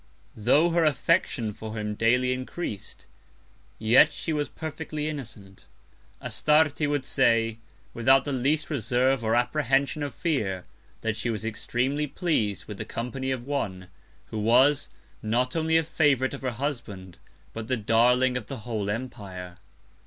Tho' her Affection for him daily encreas'd; yet she was perfectly innocent. Astarte would say, without the least Reserve or Apprehension of Fear, that she was extreamly pleas'd with the Company of one, who was, not only a Favourite of her Husband, but the Darling of the whole Empire.